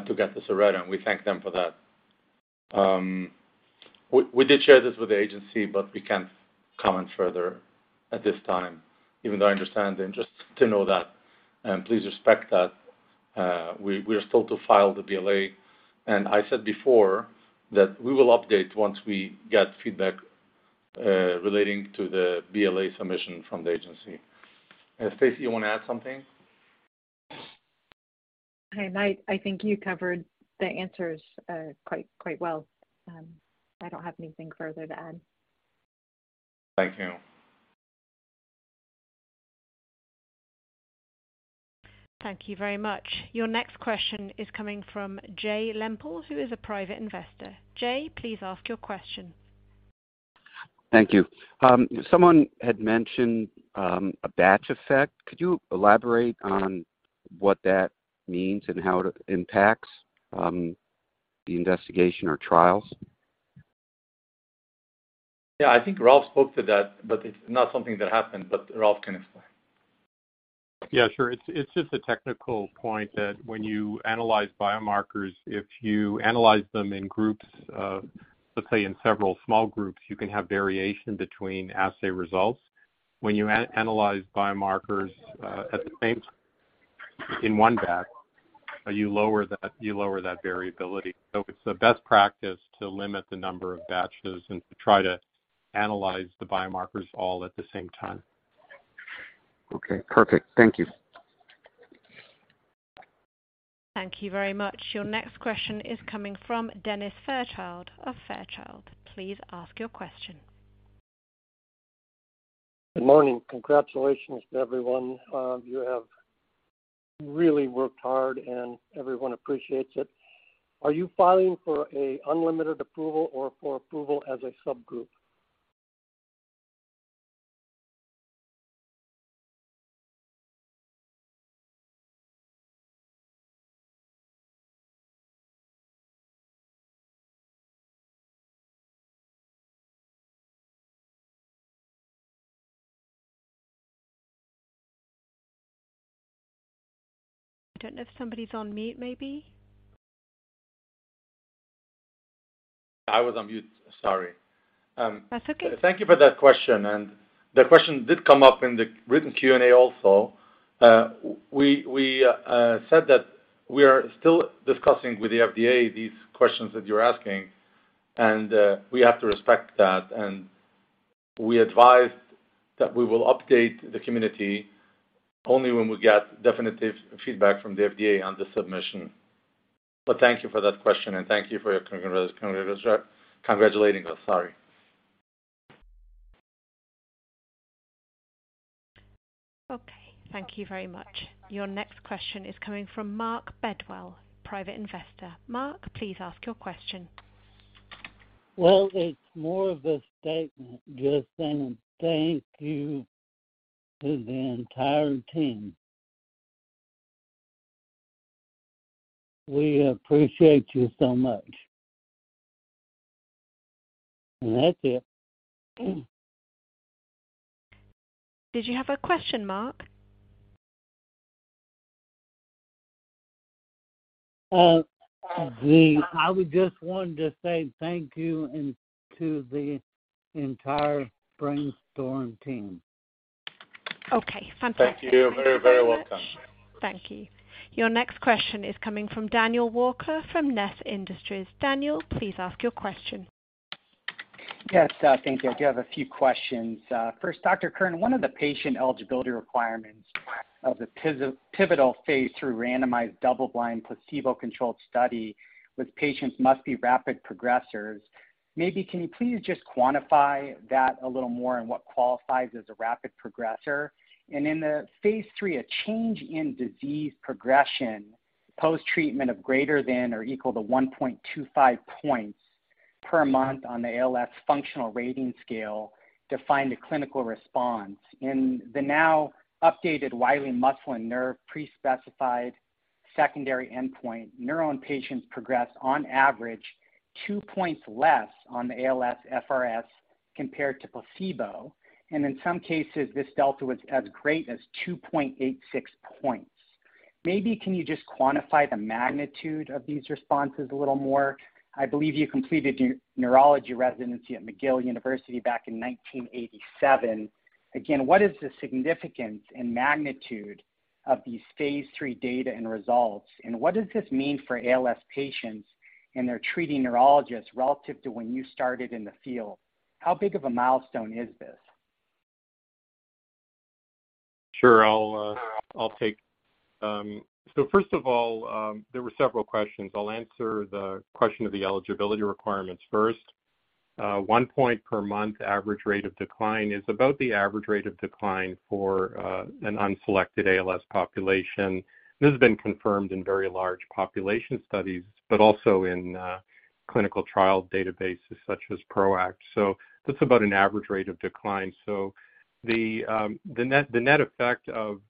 to get this errata, and we thank them for that. We did share this with the agency, but we can't comment further at this time, even though I understand the interest to know that, please respect that. We are still to file the BLA. I said before that we will update once we get feedback relating to the BLA submission from the agency. Stacy, you wanna add something? Hey, Mike, I think you covered the answers quite well. I don't have anything further to add. Thank you. Thank you very much. Your next question is coming from Jay Lempel, who is a private investor. Jay, please ask your question. Thank you. Someone had mentioned a batch effect. Could you elaborate on what that means and how it impacts the investigation or trials? Yeah, I think Ralph Kern spoke to that, but it's not something that happened, but Ralph Kern can explain. Yeah, sure. It's just a technical point that when you analyze biomarkers, if you analyze them in groups of, let's say, in several small groups, you can have variation between assay results. When you analyze biomarkers at the same time in one batch, you lower that variability. It's the best practice to limit the number of batches and to try to analyze the biomarkers all at the same time. Okay, perfect. Thank you. Thank you very much. Your next question is coming from Dennis Fairchild of Fairchild. Please ask your question. Good morning. Congratulations to everyone. You have really worked hard, and everyone appreciates it. Are you filing for an unlimited approval or for approval as a subgroup? I don't know if somebody's on mute, maybe. I was on mute. Sorry. That's okay. Thank you for that question. That question did come up in the written Q&A also. We said that we are still discussing with the FDA these questions that you're asking, and we have to respect that. We advised that we will update the community only when we get definitive feedback from the FDA on the submission. Thank you for that question, and thank you for your congratulating us. Sorry. Okay. Thank you very much. Your next question is coming from Mark Bedwell, Private Investor. Mark, please ask your question. Well, it's more of a statement, just saying thank you to the entire team. We appreciate you so much. That's it. Did you have a question, Mark? I would just want to say thank you and to the entire BrainStorm team. Okay. Fantastic. Thank you. You're very, very welcome. Thank you. Your next question is coming from Daniel Walker from Ness Industries. Daniel, please ask your question. Yes, thank you. I do have a few questions. First, Dr. Kern, one of the patient eligibility requirements of the pivotal phase III randomized double-blind, placebo-controlled study with patients must be rapid progressers. Maybe can you please just quantify that a little more and what qualifies as a rapid progresser? In the phase III, a change in disease progression post-treatment of greater than or equal to 1.25 points per month on the ALS Functional Rating Scale defined a clinical response. In the now updated Wiley Muscle & Nerve pre-specified secondary endpoint, NurOwn patients progressed on average 2 points less on the ALS FRS compared to placebo, and in some cases, this delta was as great as 2.86 points. Maybe can you just quantify the magnitude of these responses a little more? I believe you completed your neurology residency at McGill University back in 1987. Again, what is the significance and magnitude of these phase III data and results, and what does this mean for ALS patients and their treating neurologists relative to when you started in the field? How big of a milestone is this? Sure. I'll take so first of all, there were several questions. I'll answer the question of the eligibility requirements first. 1 point per month average rate of decline is about the average rate of decline for an unselected ALS population. This has been confirmed in very large population studies, but also in clinical trial databases such as PROACT. That's about an average rate of decline. The net effect of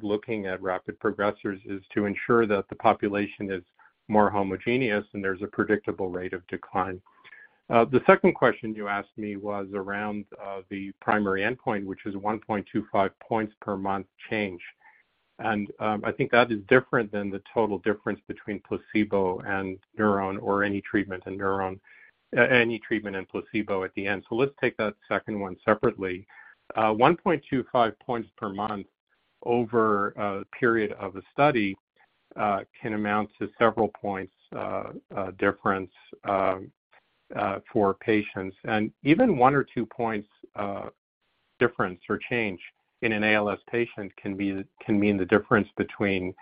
looking at rapid progressers is to ensure that the population is more homogeneous and there's a predictable rate of decline. The second question you asked me was around the primary endpoint, which is 1.25 points per month change. I think that is different than the total difference between placebo and NurOwn or any treatment and NurOwn, any treatment and placebo at the end. Let's take that second one separately. 1.25 points per month over a period of a study can amount to several points difference for patients. Even one or two points difference or change in an ALS patient can mean the difference between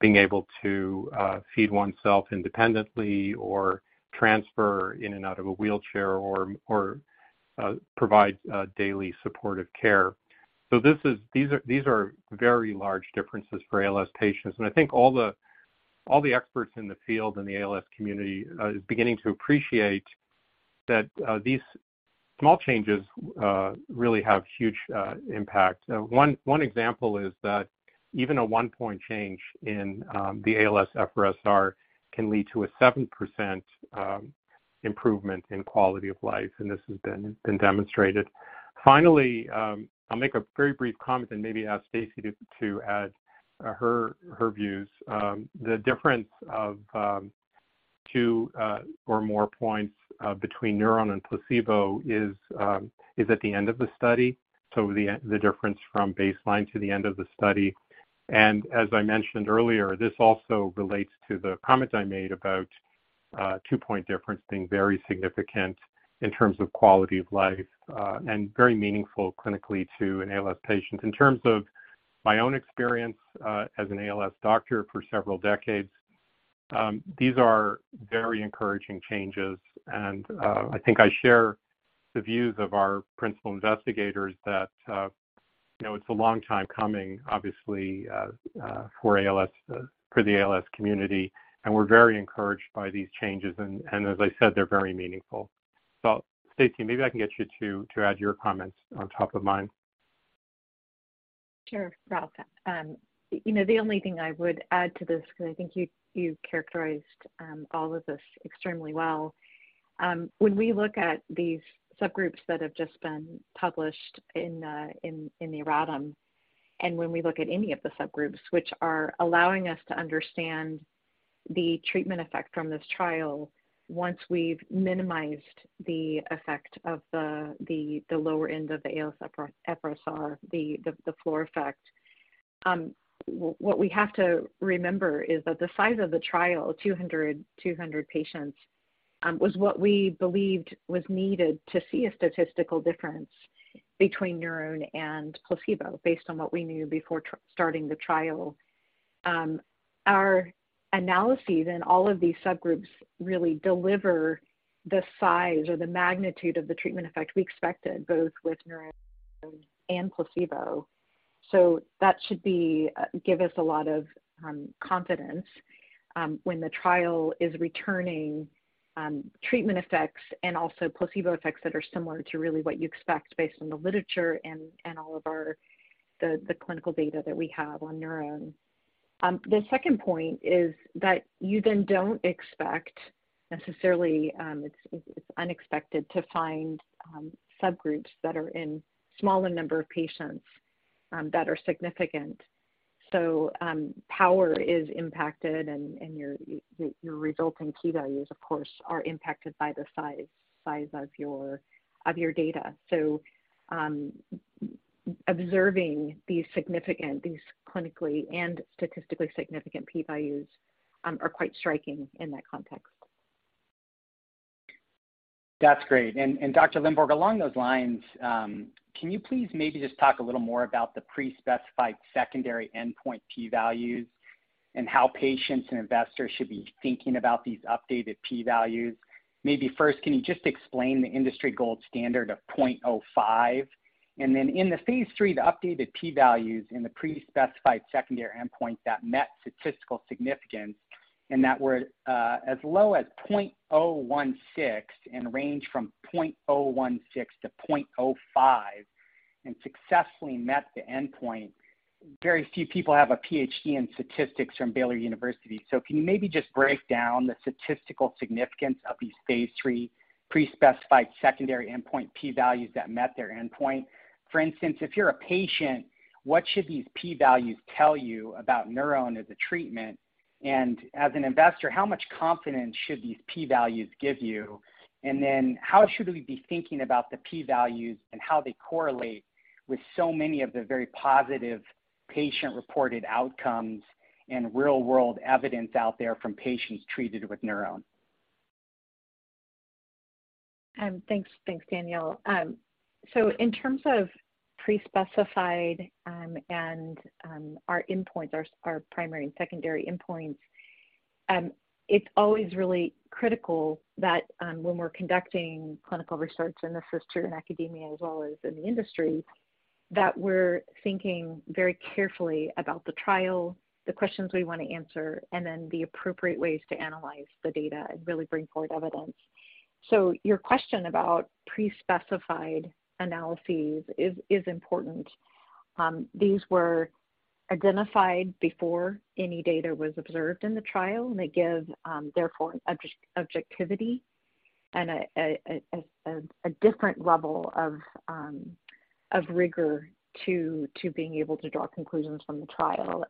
being able to feed oneself independently or transfer in and out of a wheelchair or provide daily supportive care. These are very large differences for ALS patients. I think all the experts in the field in the ALS community are beginning to appreciate that these small changes really have huge impact. One example is that even a one-point change in the ALSFRS-R can lead to a 7% improvement in quality of life, and this has been demonstrated. Finally, I'll make a very brief comment and maybe ask Stacy to add her views. The difference of two or more points between NurOwn and placebo is at the end of the study, so the difference from baseline to the end of the study. As I mentioned earlier, this also relates to the comment I made about 2-point difference being very significant in terms of quality of life and very meaningful clinically to an ALS patient. In terms of my own experience, as an ALS doctor for several decades, these are very encouraging changes, and I think I share the views of our principal investigators that you know, it's a long time coming, obviously, for ALS, for the ALS community, and we're very encouraged by these changes. As I said, they're very meaningful. Stacy, maybe I can get you to add your comments on top of mine. Sure, Ralph. You know, the only thing I would add to this, because I think you characterized all of this extremely well. When we look at these subgroups that have just been published in the erratum, and when we look at any of the subgroups which are allowing us to understand the treatment effect from this trial once we've minimized the effect of the lower end of the ALSFRS-R, the floor effect, what we have to remember is that the size of the trial, 200 patients, was what we believed was needed to see a statistical difference between NurOwn and placebo based on what we knew before starting the trial. Our analyses in all of these subgroups really deliver the size or the magnitude of the treatment effect we expected, both with NurOwn and placebo. That should give us a lot of confidence when the trial is returning treatment effects and also placebo effects that are similar to really what you expect based on the literature and all of our clinical data that we have on NurOwn. The second point is that you then don't expect necessarily, it's unexpected to find subgroups that are in smaller number of patients that are significant. Power is impacted and your resulting p-values of course are impacted by the size of your data. Observing these clinically and statistically significant p-values are quite striking in that context. That's great. Dr. Lindborg, along those lines, can you please maybe just talk a little more about the pre-specified secondary endpoint p-values and how patients and investors should be thinking about these updated p-values? Maybe first, can you just explain the industry gold standard of 0.05? Then in the phase III, the updated p-values in the pre-specified secondary endpoint that met statistical significance and that were as low as 0.016 and range from 0.016 to 0.05 and successfully met the endpoint. Very few people have a PhD in statistics from Baylor University. Can you maybe just break down the statistical significance of these phase III pre-specified secondary endpoint p-values that met their endpoint? For instance, if you're a patient, what should these p-values tell you about NurOwn as a treatment? As an investor, how much confidence should these p-values give you? How should we be thinking about the p-values and how they correlate with so many of the very positive patient-reported outcomes and real-world evidence out there from patients treated with NurOwn? Thanks. Thanks, Daniel. In terms of pre-specified and our endpoints, our primary and secondary endpoints, it's always really critical that, when we're conducting clinical research, and this is true in academia as well as in the industry, that we're thinking very carefully about the trial, the questions we want to answer, and then the appropriate ways to analyze the data and really bring forward evidence. Your question about pre-specified analyses is important. These were identified before any data was observed in the trial, and they give therefore objectivity and a different level of rigor to being able to draw conclusions from the trial.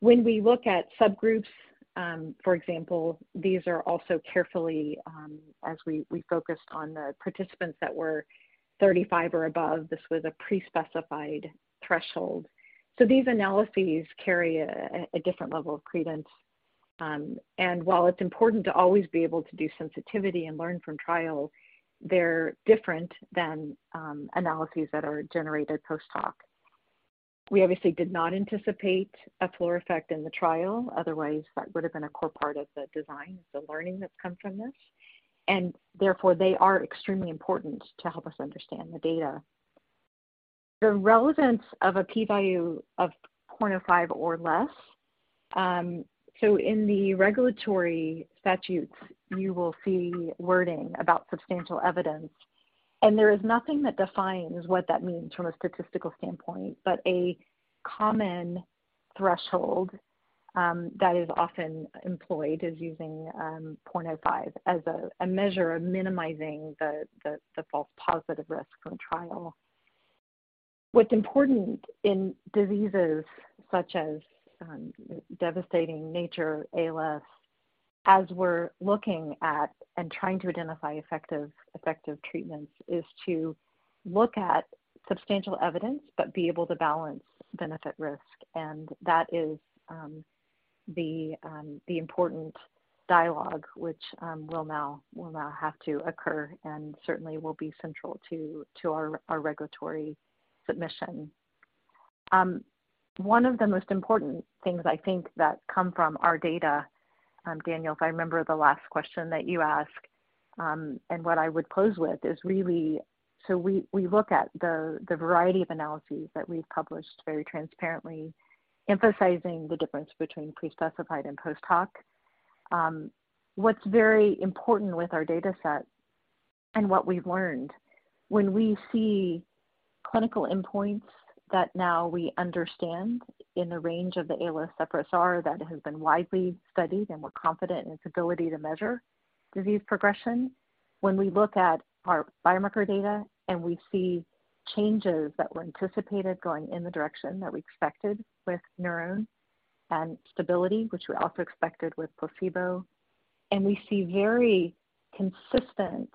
When we look at subgroups, for example, these are also carefully as we focused on the participants that were 35 or above. This was a pre-specified threshold. These analyses carry a different level of credence. While it's important to always be able to do sensitivity and learn from trials, they're different than analyses that are generated post-hoc. We obviously did not anticipate a floor effect in the trial, otherwise that would have been a core part of the design, the learning that's come from this, and therefore they are extremely important to help us understand the data. The relevance of a p-value of 0.05 or less. In the regulatory statutes, you will see wording about substantial evidence. There is nothing that defines what that means from a statistical standpoint, but a common threshold that is often employed is using 0.05 as a measure of minimizing the false positive risk from trial. What's important in diseases such as devastating nature ALS, as we're looking at and trying to identify effective treatments, is to look at substantial evidence but be able to balance benefit risk. That is the important dialogue which will now have to occur and certainly will be central to our regulatory submission. One of the most important things I think that come from our data, Daniel, if I remember the last question that you asked, and what I would pose with is really so we look at the variety of analyses that we've published very transparently, emphasizing the difference between pre-specified and post-hoc. What's very important with our data set and what we've learned when we see clinical endpoints that now we understand in the range of the ALS FRS that has been widely studied and we're confident in its ability to measure disease progression. When we look at our biomarker data and we see changes that were anticipated going in the direction that we expected with NurOwn and stability, which we also expected with placebo, and we see very consistent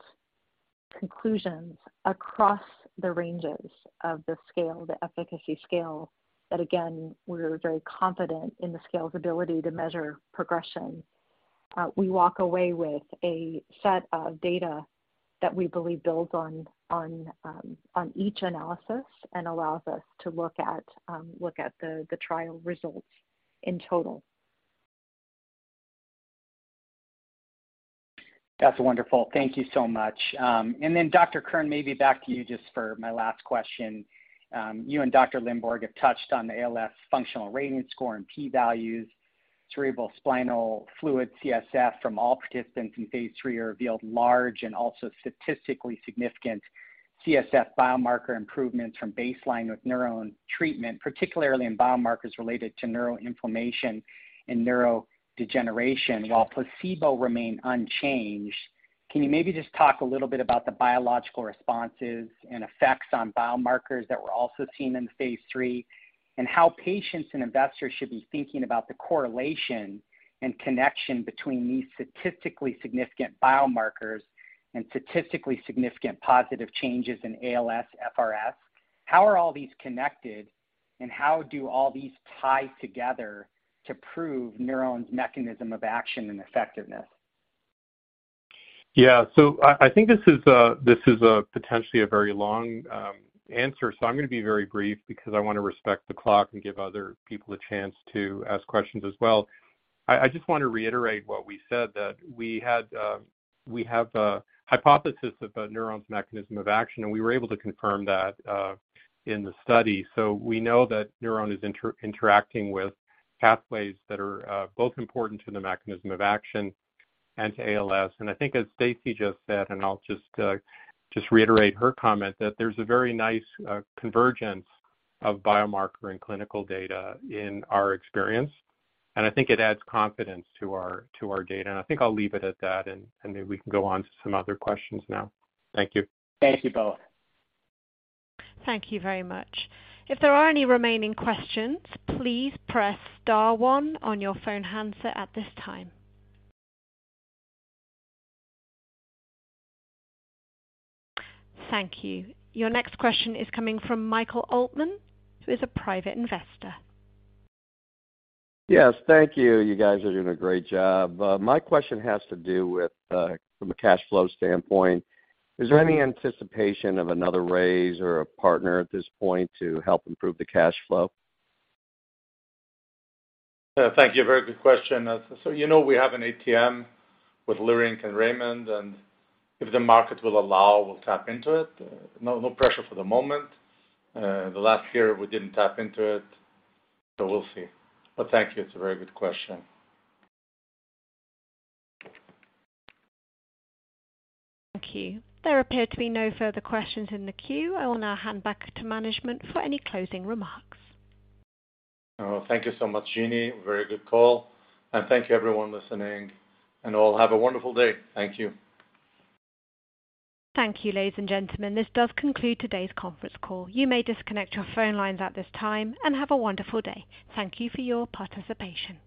conclusions across the ranges of the scale, the efficacy scale. That again, we're very confident in the scale's ability to measure progression. We walk away with a set of data that we believe builds on each analysis and allows us to look at the trial results in total. That's wonderful. Thank you so much. Dr. Kern, maybe back to you just for my last question. You and Dr. Lindborg have touched on the ALS functional rating score and P values. Cerebrospinal fluid, CSF from all participants in phase III are revealed large and also statistically significant CSF biomarker improvements from baseline with NurOwn treatment, particularly in biomarkers related to neuroinflammation and neurodegeneration, while placebo remained unchanged. Can you maybe just talk a little bit about the biological responses and effects on biomarkers that were also seen in phase III, and how patients and investors should be thinking about the correlation and connection between these statistically significant biomarkers and statistically significant positive changes in ALS, FRS? How are all these connected, and how do all these tie together to prove NurOwn's mechanism of action and effectiveness? Yeah. I think this is potentially a very long answer, so I'm gonna be very brief because I wanna respect the clock and give other people a chance to ask questions as well. I just want to reiterate what we said, that we have a hypothesis of a NurOwn's mechanism of action, and we were able to confirm that in the study. We know that NurOwn is interacting with pathways that are both important to the mechanism of action and to ALS. I think as Stacy just said, and I'll just reiterate her comment, that there's a very nice convergence of biomarker and clinical data in our experience, and I think it adds confidence to our data. I think I'll leave it at that, and maybe we can go on to some other questions now. Thank you. Thank you both. Thank you very much. If there are any remaining questions, please press star one on your phone handset at this time. Thank you. Your next question is coming from Michael Altman, who is a private investor. Yes. Thank you. You guys are doing a great job. My question has to do with, from a cash flow standpoint. Is there any anticipation of another raise or a partner at this point to help improve the cash flow? Thank you. Very good question. So you know, we have an ATM with Leerink and Raymond James, and if the market will allow, we'll tap into it. No, no pressure for the moment. The last year, we didn't tap into it, so we'll see. Thank you. It's a very good question. Thank you. There appear to be no further questions in the queue. I will now hand back to management for any closing remarks. Oh, thank you so much, Jenny. Very good call. Thank you everyone listening, and all have a wonderful day. Thank you. Thank you, ladies and gentlemen. This does conclude today's conference call. You may disconnect your phone lines at this time and have a wonderful day. Thank you for your participation.